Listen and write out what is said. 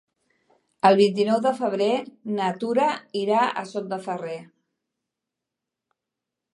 El vint-i-nou de febrer na Tura irà a Sot de Ferrer.